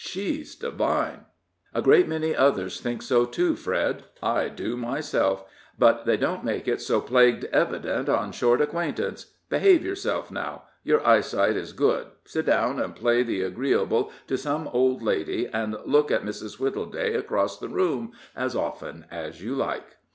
She's divine!" "A great many others think so, too, Fred I do myself but they don't make it so plagued evident on short acquaintance. Behave yourself, now your eyesight is good sit down and play the agreeable to some old lady, and look at Mrs. Wittleday across the room, as often as you like."